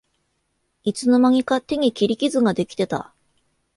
いつの間にか手に切り傷ができてた